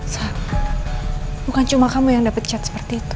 sa bukan cuma kamu yang dapet cat seperti itu